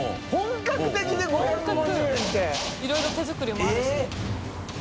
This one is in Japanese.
いろいろ手作りもあるし。